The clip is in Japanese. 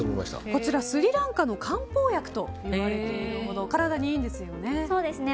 こちら、スリランカの漢方薬といわれているほど体にいいんですよね。